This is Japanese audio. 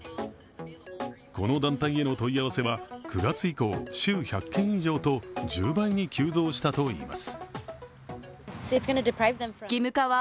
この団体への問い合わせは９月以降、週１００件以上と１０倍に急増したといいます。